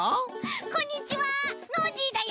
こんにちはノージーだよ。